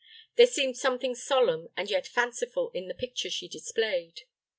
There seemed something solemn, and yet fanciful, in the picture she displayed.